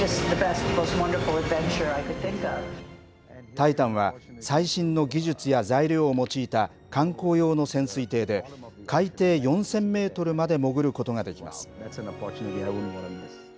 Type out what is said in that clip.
タイタンは、最新の技術や材料を用いた観光用の潜水艇で、海底４０００メートルまで潜ることができます。